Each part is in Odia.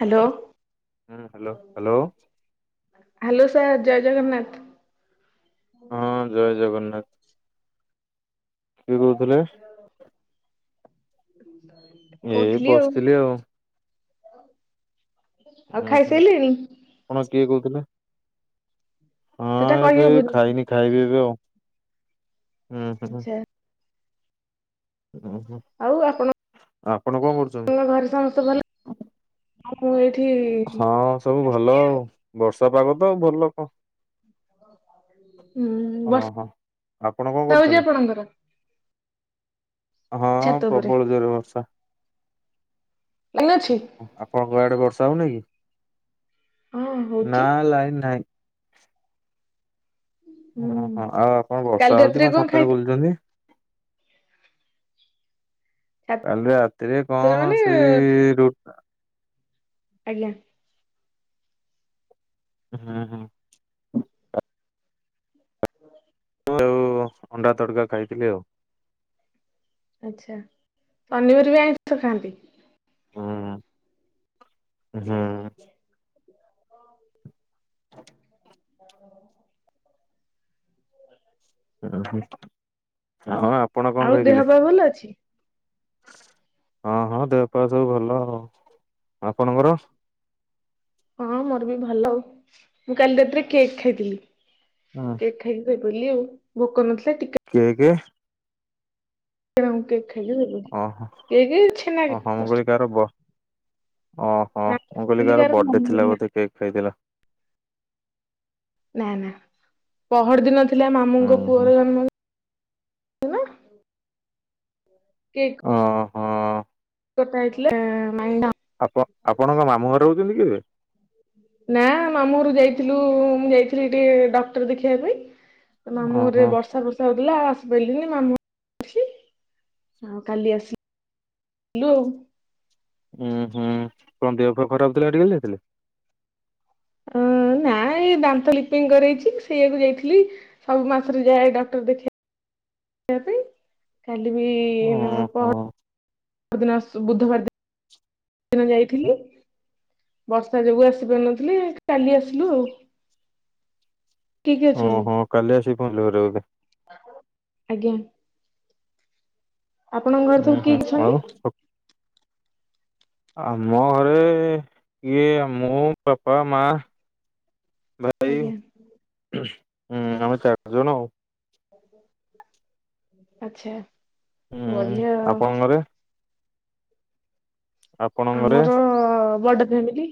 Hello hello hello. Hello sir ଜୟ ଜଗନ୍ନାଥ। ହଁ ଜୟ ଜଗନ୍ନାଥ। କିଏ କହୁଥିଲେ? ଏଇ ବସିଥିଲି ଆଉ। ଆଉ ଉୁଁ ଖାଇ ହୁଁ ସାଇଲେଣି। ଆପଣ କିଏ କହୁଥିଲେ? ସେଟା ହଁ ଏବେ କହିହବନି ଖାଇନି ଖାଇବି ଏବେ ଆଉ ହୁଁ, ହୁଁ। ଆଚ୍ଛା ଉଁ ହୁଁ ଆପଣ କଣ କରୁଛନ୍ତି? ତମ ଘରେ ସମସ୍ତେ ଭଲ ଆଉ ମୁଁ ଏଇଠି ହଁ ସବୁ ଭଲ ଆଉ ବର୍ଷା ପାଗ ତ ଆଉ ଭଲ କଣ। ହଁ ବର୍ଷା ହଁ ହଁ ବର୍ଷା ଆପଣ କଣ ହଉଛି କରୁଛନ୍ତି? ଆପଣଙ୍କର? ହଁ ଛାତ ଉପରେ ପ୍ରବଳ ଜୋର ରେ ବର୍ଷା। ଲାଇନ ଅଛି? [unintelligible] ଆଡେ ବର୍ଷା ହଉନି କି ହଁ ହଉଛି ନା ଲାଇନ ନାହିଁ। ହୁଁ ଓହୋ ଆଉ ଆପଣ କାଲି ବର୍ଷା ହଉଛି ରାତିରେ କଣ ଛାତରେ ଖାଇଥିଲେ? ବଲୁଛନ୍ତି? ଛାତରେ କାଲି ରାତିରେ କଣ ମାନେ ସେଇ ରୁ ଆଜ୍ଞା। ହୁଁ, ହୁଁ। [inaudible] ଆଉ ଅଣ୍ଡା ତଡ଼କା ଖାଇଥିଲି ଆଉ। ଆଚ୍ଛା ଅନ୍ୟବାରେ ବି ଆଇଁଷ ଖାଆନ୍ତି? ହୁଁ ହୁଁ। [inaudible] ଓ [inaudible] ଓହ ହଁ ଆପଣ କଣ ଆଉ ଦେହ କହିଥିଲେ? ପା ଭଲ ଅଛି। ହଁ ହଁ ଦେହପାଆ ସବୁ ଭଲ ଆଉ ଆପଣଙ୍କର? ହଁ ମୋର ବି ଭଲ ଆଉ ମୁଁ କାଲି ରାତିରେ କେକ୍ ଖାଇଥିଲି। ହଁ। କେକ୍ ଖାଇକି ଶୋଇପଡ଼ିଲି ଆଉ ଭୋକ ନଥିଲା ଟିକେ କେକେ ମୁଁ କେକ ଖାଇଲି ଆଉ ଓହୋ କେକେ ଛେନା ଓହୋ ମୁଁ କେକ୍। କହିଲି କାହାର ବ ଓହ ନା ମୁଁ କହିଲି କାହାର ଚିଲିକାର ବର୍ଥଡେ ଥିଲା ବୋଧେ କେକ୍ ଖାଇଥିଲ। ନା ନା ପହର ଦିନ ଥିଲା ମାମୁଁ ହୁଁ ଙ୍କ ହୁଁ ପୁଅର ଜନ୍ମ [unintelligible] କେକ୍। ଓହୋ। [unintelligible] ଆପଣ ଆପଣଙ୍କ ମାମୁଁ ଘରେ ରହୁଛନ୍ତି କି ଏବେ? ନା ମାମୁଁ ଘରୁକୁ ଯାଇଥିଲୁ ମୁଁ ଯାଇଥିଲି ଟିକେ ଡକ୍ଟର ଦେଖେଇବା ପାଇଁ। ତ ମାମୁଁ ଘରେ ଓହୋ ବର୍ଷା ଫର୍ଷା ହଉଥିଲା ଆସିପାରିଲିନି ମାମୁଁ ଘରେ ଅଛି। ଆଉ କାଲି ଆସିଲୁ ଆଉ। ଉୁଁ ହୁଁ କଣ ଦେହ ପାଆ ଖରାପଥିଲା ମେଡିକାଲ ଯାଇଥିଲ? ହଁ ନା ଏଇ ଦାନ୍ତ ଲିପିଙ୍ଗ କରେଇଛି ସେଇଆକୁ ଯାଇଥିଲି ସବୁ ମାସରେ ଯାଏ ଡକ୍ଟର ଦେଖେ ଇବା ପାଇଁ କାଲି ବି ଓହୋ ପହର୍ ଦିନ ବୁଧବାର ଦିନ ଦିନ ଯାଇଥିଲି ବର୍ଷା ଯୋଗୁ ଆସିପାରୁନଥିଲି କାଲି ଆସିଲୁ ଆଉ। [inaudible] କିଏ କିଏ ଅଛନ୍ତି? ଓହୋ କାଲି ଆସି ପହଞ୍ଚିଲେ ଘରେ ବୋଧେ? ଆଜ୍ଞା। ଆପଣଙ୍କ ଘରେ ସବୁ ହୁଁ କିଏ ହୁଁ ଅଛନ୍ତି? ଆଉ ଆମ ଘରେ ଇଏ ମୁଁ ପାପା ମା [unintelligible] ଆଜ୍ଞା। ହୁଁ ଆମେ ଚାରି ଜଣ ଆଉ। ଆଚ୍ଛା ହୁଁ ବଢ଼ିଆ ଆଉ ଆପଣଙ୍କ ଘରେ ଆପଣଙ୍କ ଘରେ ଆମର ବଡ଼ ଫ୍ୟାମିଲି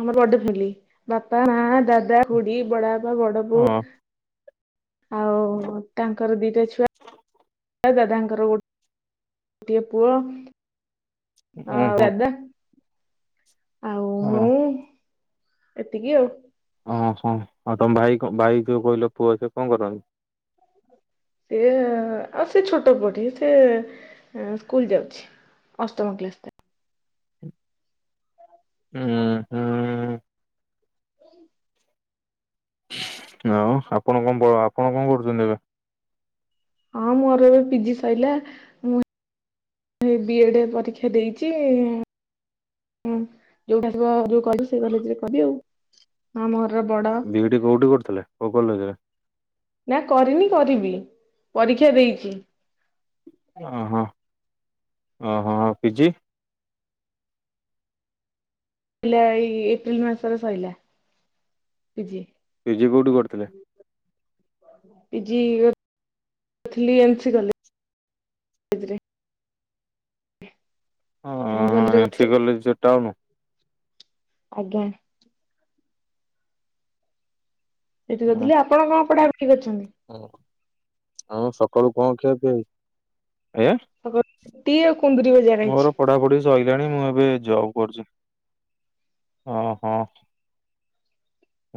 ଆମର ବଡ଼ [unintelligible] ବାପା ମା ଦା ଦା ଖୁଡ଼ି ବଡ଼ାବା ବଡ଼ ବୋଉ ହଁ ଆଉ ତାଙ୍କର ଦିଟା ଛୁଆ ଦାଦାଙ୍କର ଗୋ ଟିଏ ପୁଅ ଉଁ ଆଉ ହୁଁ ଦାଦା ଆଉ ହଁ। ମୁଁ ଏତିକି ଆଉ। ଓହୋ ଆଉ ତମ ଭାଇ କ ଭାଇ ଯୋଉ କହିଲ ପୁଅ ସେ କଣ କରନ୍ତି? ସିଏ ଆଉ ସେ ଛୋଟ ପୁଅଟିଏ ସିଏ ସ୍କୁଲ ଯାଉଛି। ଅଷ୍ଟମ କ୍ଲାସ ତା ଅଁ ହଁ। ଆଉ ଆପଣ କଣ ପ ଆପଣ କଣ କରୁଚନ୍ତି ଏବେ? ହଁ ମୋର ଏବେ ପି ଜି ସଇଲା ମୁଁ ଏ ବିଏଡ଼େ ପରୀକ୍ଷା ଦେଇଚି। ହଁ ଯୋଉଠୁ ଆସିବ ଯୋଉ କଲେଜ ସେଇ କଲେଜରେ କରିବି ଆଉ ହଁ ମୁଁ ଘରର ବଡ। ବିଇଡି କୋଉଠି କରୁଥିଲେ କୋଉ କଲେଜରେ? ନା କରିନି କରିବି ପରୀକ୍ଷା ଦେଇଚି। ଓହୋ ଓହୋ ଆଉ ପି ଜି? ପିଲ ଏଇ ଏପ୍ରିଲ ମାସରେ ସରିଲା ପି ଜି। ପି ଜି କୋଉଠି କରୁଥିଲେ? ପି ଜି କରୁଥିଲି ଏନ୍ ସି କଲେଜରେ। ଅଁ ଏମସି କଲେଜରେ ହଁ ଏନ୍ ସି କରିଥିଲି। କଲେଜ ଯୋଉ ଟାଉନୁ? ଆଜ୍ଞା। ସେଇଠି କରିଥିଲି ଆପଣ କଣ ପଢାପଢି କରଛନ୍ତି? ଓ ଆଉ ସକାଳୁ କଣ ଖିଆପିଆ ହେଇ, ଆଜ୍ଞା? ସକା ରୁଟୁ ଆଉ କୁନ୍ଦୁରି ଭ ମୋର ପଢାପଢି ସଇଲାଣି ମୁଁ ଏବେ ଜବ କରୁଚି ଓ ହଁ।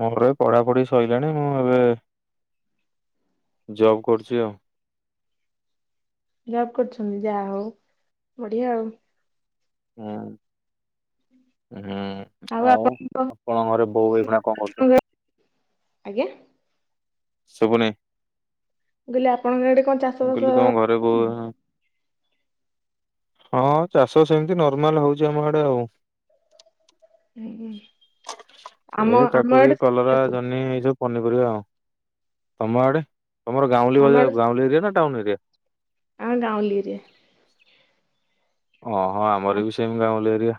ମୋର ଏ ପଢାପଢି ସଇଲାଣି ମୁଁ ଏବେ ଜବ୍ କରୁଚି ଆଉ। ଜବ୍ କରୁଛନ୍ତି ଯାହୋଉ ବଢିଆ ଆଉ। ଉଁ ଉଁହୁଁ। ଆଉ ଆପଣଙ୍କ ଘରେ ବୋଉ ଏଇକ୍ଷୁଣା କଣ କରୁଛନ୍ତି? ଆଜ୍ଞା ମୁଁ ଶୁଭୁନି ମୁଁ କହିଲେ ଆପଣଙ୍କ ଆଡେ କଣ ଚାଷବାଷ ତୋ ବୋଉ ହଁ ହଁ ଚାଷ ସେମତି ନର୍ମାଲ ହୋଉଚି ଆମ ଆଡେ ଆଉ। ଆଗିଆଁ। ସେ କାକୁଡି, କଲରା, ଜହ୍ନି ଏଇ ସବ ପନିପରିବା ଆଉ ତମ ଆଡେ ତମର ଗାଉଁଲି ଆମ ଭଳିଆ ଗାଉଁଲି ଏରିଆ ନା ଟାଉନ ଏରିଆ? ଆମର ଗାଁଉଲି ଏରିରେ। ଓହୋ ଆମର ବି ସେମ ଗାଁଉଲି ଏରିଆ।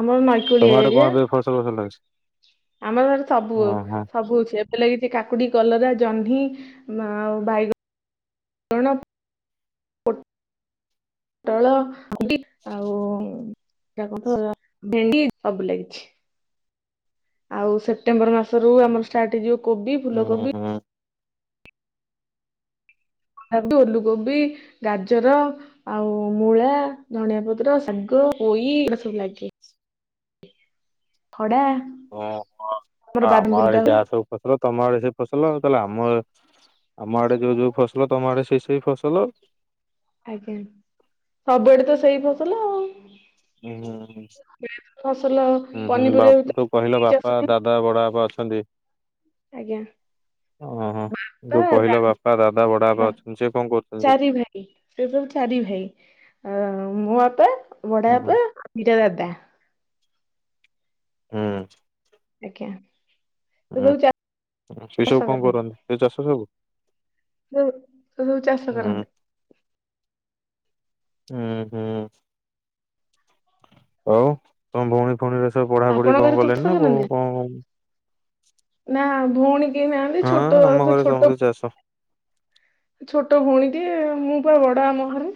ଆମର ନଈକୂଳିଆ ତମ ଆଡେ ଏରିଆ କଣ ଏବେ ଫସଲ ମସଲ ଲାଗଛି? ଆମର ଘରେ ସବୁ ଓ ସବୁ ହୋଉଛି ଏ ବେ ଲାଗିଚି କାକୁଡ଼ି, କଲରା, ଜହ୍ନି ଆଉ ବାଇ-ଗଣ। ପୋଟଳ, ଭେଣ୍ଡି ଆଉ [unintelligible] ଭେଣ୍ଡି ସବୁ ଲାଗିଛି। ଆଉ ସେପ୍ଟେମ୍ବର ମାସରୁୁ ଆମର ଷ୍ଟାର୍ଟ ହେଇଯିବ କୋବି, ହୁଁ ଫୁଲକୋବି ହୁଁ। ହେଠୁ ଓଲୁକୋବି, ଗାଜର ଆଉ ମୂଳା, ଧଣିଆ ପତ୍ର, ଶାଗ, ପୋଇ ଏଗୁଡା ସବୁ ଲାଗେ। [inaudible] ଖଡା ଓହୋ ଆମର ତା ବାଦାମ ଆମ ବିଲ ଆଡେ ଯାହାସବୁ ଫସଲ ତମ ଆଡେ ସେଇ ଫସଲ ତାହେଲେ ଆମ ଆମ ଆଡେ ଯୋଉ ଯୋଉ ଫସଲ ତମ ଆଡେ ସେଇ ସେଇ ଫସଲ। ଆଜ୍ଞା ସବୁଆଡେ ତ ସେଇ ଫସଲ ଆଉ। ଉଁ ହୁଁ ହୁଁ ଫସଲ ଉଁ ହୁଁ ପନିପରିବା ବାପୁ ତ କହିଲ ଭିତରେ ବାପା ଚାଷ ନାହିଁ ଦା ଦା ବଡବାପା ଅଛନ୍ତି। ଆଜ୍ଞା। ଓହୋ ବା ଯୋଉ ଦା କହିଲ ବାପା, ଦାଦା, ବା ବଡବାପା ଅଛନ୍ତି ସେ କଣ କରୁଚନ୍ତି ତ? ଚାରି ସେ ସବୁ ଚାରି ଭାଇ ଆ ମୋ ବାପା, ହୁଁ ବଡବାପା, ଦିଟା ଦାଦା। ହୁଁ। ଆଜ୍ଞା ହୁଁ ଯେତେବେଳେ ସେ ସବୁ ଚାଷ କଣ କରିନଥିବ। କରନ୍ତି ସେ ଚାଷ ସବୁ। ସବୁ ସେ ସବୁ ଚାଷ ହୁଁ କରନ୍ତି। ହୁଁ ହୁଁ ଆଉ ତମ ଭଉଣୀ ଉଣିରା ସବୁ ପଢାପଢି ଆପଣଙ୍କ ଘରେ କଣ ସବୁ କଲେଣି ଚାଷ ନା କ କୋଉ କରନ୍ତି କଣ ନା ଭଉଣୀ କେହି ନାହାନ୍ତି ଛୋଟ ହ ଆମ ଘରେ ଛୋଟ ସମସ୍ତେ ଚାଷ। ଛୋଟ ଭଉଣୀଟିଏ ମୁଁ ପା ବଡ ଆମ ଘରେ।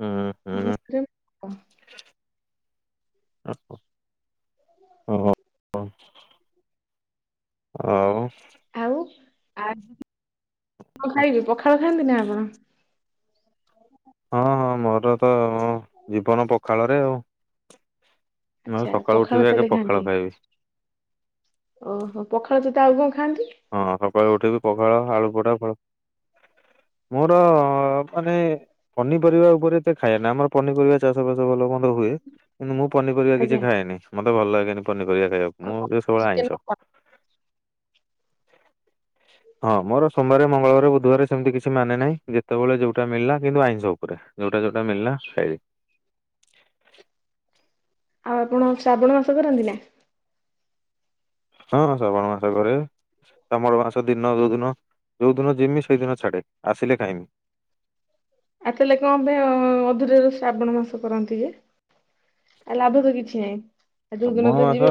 ହଁ। ଆମ ଘରେ ଓହୋ ଆଉ ଆଉ ଆ ଖାଇବି ପଖାଳ ଖାଆନ୍ତି ନା ଆପଣ? ହଁ ହଁ ମୋର ତ ଜୀବନ ପଖାଳରେ ଆଉ। ମୁଁ ଆଚ୍ଛା ସକାଳୁ ପଖାଳ ଉଠିବି ଆଗେ ତାହେଲେ ପଖାଳ ଖାଆନ୍ତି ଖାଇବି। ଓହୋ ପଖାଳ ସହିତ ଆଉ କଣ ଖାଆନ୍ତି? ହଁ ସକାଳୁ ଉଠିବି ପଖାଳ ଆଳୁ ପୋଡ଼ା ଫାଳ ମୋର ମାନେ ପନିପରିବା ଉପରେ ଏତେ ଖାଇବା ନାଇ। ଆମର ପନିପରିବା ଚାଷ ଫାସ ଭଲ ମନ୍ଦ ହୁଏ। କିନ୍ତୁ ମୁଁ ପନିପରିବା ଆଜ୍ଞା କିଛି ଖାଏନି ମତେ ଭଲ ଲାଗେନି ପନିପରିବା ଖାଇବାକୁ ଆଉ ମୁଁ କଣ ଯେ ସବୁବେଳେ ଚିକେନ ଆଇଁଷ। ହବ ହଁ ମୋର ସୋମବାର ମଙ୍ଗଳବରେ ବୁଧବାର ସେମିତି କିଛି ମାନେ ନାହିଁ ଯେତେବେଳେ ଯୋଉଟା ମୀଳିଲା କିନ୍ତୁ ଆଇଁଷ ଉପରେ। ଯୋଉଟା ଯୋଉଟା ମିଳିଲା ଖାଇଲି। ଆଉ ଆପଣ ଶ୍ରାବଣ ମାସ କରନ୍ତି ନା? ହଁ ଶ୍ରାବଣ ମାସ କରେ। ଶାବଣ ମାସ ଦିନ ଯୋଉ ଦିନ ଯୋଉ ଦିନ ଯିମି ସେଦିନ ଛାଡେ ଆସିଲେ ଖାଇମୀ। ଆଉ ତାହେଲେ କଣ ପାଇଁ ଅଧୁରାରୁ ଶ୍ରାବଣ ମାସ କରନ୍ତି ଯେ? ଆ ଲାଭ ତ କିଛି ନାହିଁ। ଆ ଯୋଉ ଦିନ ଶ୍ରାବଣ ତ ମାସ ଯିବେ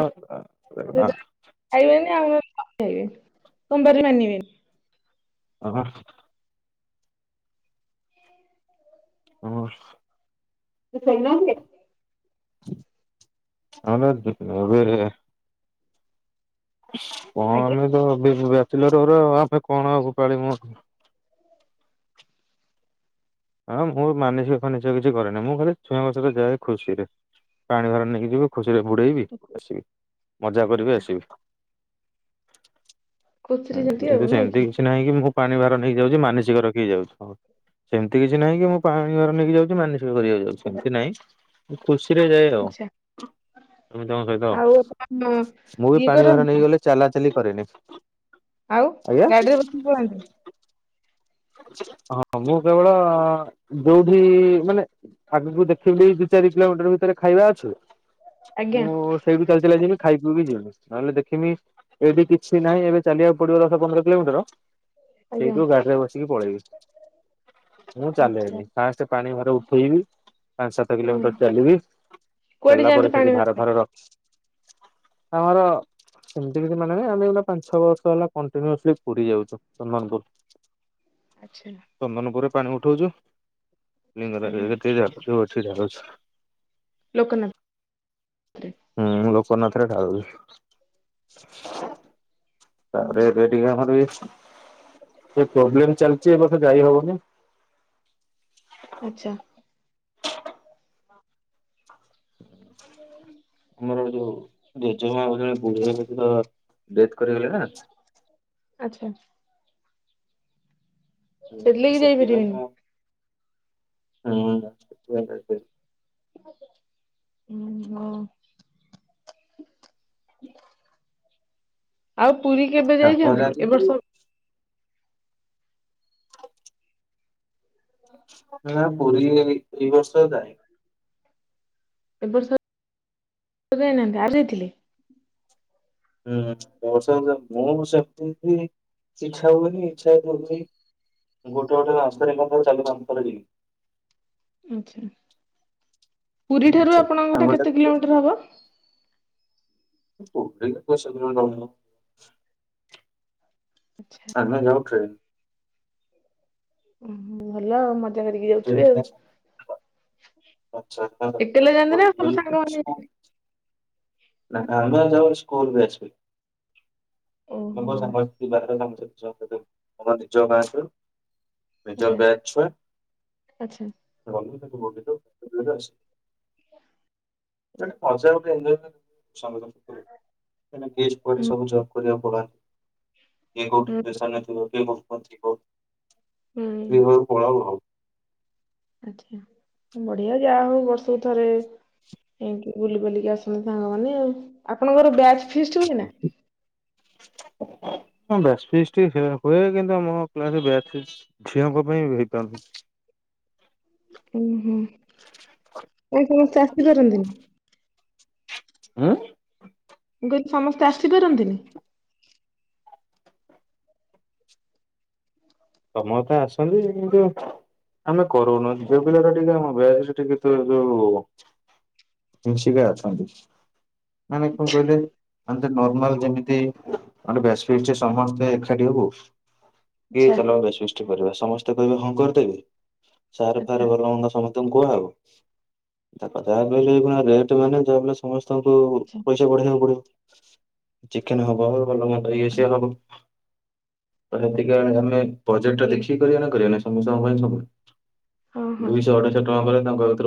ଏବେ ସେ ଦିନ ଖାଇବେନି ଆଉ କଣ ଖାଇବେ ସୋମବାର ମାନିବେନି। ଅହ। ହଁ। [unintelligible] ହଁ ବା ମୁଁ ବି କଣ ଆଜ୍ଞା। ଆମେ ତ ବି ବ୍ୟାଚଲର୍ ଗୁରା ଆମେ କଣ ଆଉ ପାଳିମୁ। ହଁ ମୁଁ ମାନସିକ ଫାନସିକ କିଛି କରେନି ମୁଁ ଖାଲି ଛୁଆଙ୍କ ସହିତ ଯାଏ ଖୁସିରେ। ପାଣି ଭାର ନେଇକି ଯିବି ଖୁସିରେ ବୁଡ଼େଇବି ଆସିବି ମଜା କରିବି ଆଛା ଆସିବି। ହୁଁ କଚୁରୀ ଯେମିତି ଆଉ ଏମିତି ନାଇଁ କି ସେମିତି କିଛି ନାହିଁ କି ମୁ ପାଣି ଭାର ନେଇକିଯାଉଛି ମାନସିକ ରଖିକିଯାଉଛି। ଏମିତି କିଛି ନାହିଁ କି ମୁଁ ପାଣି ଭାର ନେଇକି ଯାଉଛି ମାନିସ କରିବାକୁ ଯାଉଛି ସେମିତି ନାଇଁ ଖୁସିରେ ଯାଏ ଆଉ। ଆଛା ସମିସ୍ତଙ୍କ ଆଉ ଆପଣ ସହିତ ମୁଁ ବି ଇଏ ପାଣି ଘର କରନ୍ତି ନେଇକି ଗଲେ ଚାଲା ଚାଲି କରେନି। ଆଉ ଆଜ୍ଞା ଗାଡିରେ ବସିକି ପଳାନ୍ତି। ହଁ ମୁଁ କେବଳ ଯୋଉଠି ମାନେ ଆଗକୁ ଦେଖିଲି ଦି ଚାରି କିଲୋମିଟର ଭିତରେ ଖାଇବା ଅଛି ଆଜ୍ଞା ମୁଁ ସେଇଠୁ ଚାଲି ଚାଲିକା ଯିବି ଖାଇବି ପିଇମି ଯିମି। ନହେଲେ ଦେଖମି ଏବେ କିଛି ନାହିଁ ଏବେ ଚାଲିବାକୁ ପଡିବ ଦଶ ପନ୍ଦର କିଲୋମିଟର ଆଜ୍ଞା ସେଇଠୁ ଗାଡିରେ ବସିକି ପଳେଇବି। ମୁଁ ଆଛା। ଚାଲେନି ଫାଷ୍ଟ ପାଣି ଭାର ଉଠେଇବି ପାଞ୍ଚ ସାତ ହୁଁ କିଲୋମିଟର ଚାଲିବି କୁଆଡେ ଚାଲିଲା ଯାଆନ୍ତି ପରେ ପାଣି ସେଠି ଭାର ପାଇଁ ଫାର ରଖ ଆମର ସେମିତି କିିଛି ମାନେ ନାହିଁ। ଆମେ ଗୋଟେ ପାଞ୍ଚ ଛଅ ବର୍ଷ ହେଲା କଣ୍ଟିନ୍ୟୁସଲି ପୁରୀ ଯାଉଛୁ ଚନ୍ଦନପୁର। ଆଚ୍ଛା। ଚନ୍ଦନପୁରରେ ପାଣି ଉଠୋଉଛୁ। ଲିଙ୍ଗରାଜ ଆଜ୍ଞା ହେଠୀ [unintelligible] ଢାଳୁଛୁ। ଲୋକନାଥ ହୁଁଁ ଲୋକନାଥରେ ଢାଳୁଚୁ। ତାପରେ ଏବେ ଟିକେ ଆମର ବି ପ୍ରୋବ୍ଲେମ ଚାଲିଛି ଏ ବର୍ସ ଯାଇ ହବନି। ଆଚ୍ଛା। [inaudible] ଆମର ଯୋଉ ଜେଜେମାଉ ଜଣେ ବୁଢୀ ତ ଡେଥ କରିଗଲେ ନା ଆଚ୍ଛା। ହଁ ସେଥିଲାଗି ସେଥିପାଇ ଯାଇପାରିବେନି ହଁ ସୋଇ ହୁଁ ହଁ। ଆଉ ପୁରୀ କେବେ ଆପଣ ଯାଇଛନ୍ତି ଯାଆନ୍ତି ଏ ବର୍ଷ? ପୁରୀ ନା ପୁରୀ ଏଇ ବର୍ଷ ଯାଇନି। ଏବ ବର୍ଷ ଯାଇନାହାନ୍ତି ଆଉ ଯାଇଥିଲି ହୁଁ ବର୍ଷ ବଷ ମୁଁ ସେମିତି ଇଚ୍ଛା ହୁଏନି ଇଚ୍ଛା ଦଉଛି। ଗୋଟେ ଗୋଟେ ରାସ୍ତା ଆଛା ପୁରୀ ଠାରୁ ଆଚ୍ଛା ଆପଣଙ୍କ ଘର କେତେ ସାଙ୍ଗସାଥି କିଲୋମିଟର ହବ। [inaudible] ଆଚ୍ଛା। ଆନା ଯଉ ଟ୍ରେ ଓ ଭଲ ଆଉ ମଜା କରିକି ଟ୍ରେନ୍ ଯାଉଥିବେ ଆଉ। ଏକଲା ଯାଆନ୍ତି ନା ସବୁ ସାଙ୍ଗମାନେ ଯାଆନ୍ତି? [unintelligible] ନା ଆମର ଯାଇ ସ୍କୁଲ ବ୍ୟାଚ ଫିଷ୍ଟ ଆସିବ ଆକ ଓହୋ ସାଙ୍ଗ କାମ ଆମର ନିଜ ଗାଁ ସ୍କୁଲ ନିଜ ଆଚ୍ଛା ଗାଁ ଛୁଆ [unintelligible] ଆଚ୍ଛା ପହଞ୍ଚ ଗୋଟେ। ହୁଁ ସବୁ ଜବ୍ କରିବାକୁ ପଡନ୍ତି କିଏ କୋଉଠି ହୁଁ ପସା ନଥିବ କିଏ କୋଠ [unintelligible] ହୁଁ ତୁ ଘର ପଳା ହବ। ଆଛା ବଢିଆ ଯାହା ହଉ ବର୍ଷକୁ ଥରେ କ ବୁଲି ବୁଲିକି ଆସନ୍ତି ସାଙ୍ଗମାନୋନେ ଆଉ ଆପଣଙ୍କର ବ୍ୟାଜ [inaudible] ହ ବ୍ୟାଚ ଫିଷ୍ଟ୍ ହୁଏ କିନ୍ତୁ ଆମ ଗାଁ ପିଲା ବ୍ୟାଚ ଝିଅଙ୍କ ପାଇଁ ହେଇପାରୁନି। ଓ ହୋ କାଇ ସମସ୍ତେ ଆସିପାରନ୍ତିନି। [unintelligible] ମୁ କହିହିଲି ସମସ୍ତେ ଆସିପାରନ୍ତିନି। ତମ ତ ଆସନ୍ତି କିନ୍ତୁ ଆମେ କରୁନୁ ଝିଅ ପିଲା ରା ଟିକେ ଆମ ବ୍ୟାଚ ଟିକେ ତ ଯୋଉ ନଷିକା ଅଛନ୍ତି ମାନେ କଣ ଆଚ୍ଛା କହିଲେ? ଆ ନର୍ମାଲ ଯେମିତ ଆମେ ବ୍ୟାଚ ରେ ସମସ୍ତେ ଏକାଠି ହଉ। ଆଛା। କରିବା ସମସ୍ତେ କହିବେ ହ କରିଦେବ ସ ଆଚ୍ଛା ଫ ଭଲା ସମେ ତମ କୁହ ଆଉ ତା କଥା କହିଲେ ରେଟ ମାନେ ଯାହା ସମସ୍ତଙ୍କୁ ଆଚ୍ଛା ପଇସା ବଢେଇ ପିବ ଚିକେନ ହବ ଭଲ ମନ୍ଦ ଇଏ ସିଏ ହବ। ତ ସେତିକ ଆମେ ପ୍ରୋଜେକ୍ଟା ଆଜ୍ଞା ଦେଖିକି କରିବା ନା କରିବାନ ସମ ସମ ପାଇଁ ହଁ ହଁ। ଦୁଇଶହ ଅଠଶହ ଟଙ୍କା ପରେ ତାଙ୍କ